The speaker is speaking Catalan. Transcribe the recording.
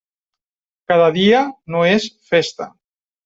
Cada dia no és festa.